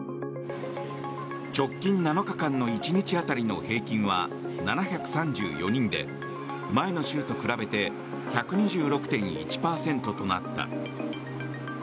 直近７日間の１日当たりの平均は７３４人で前の週と比べて１２６．１％となった。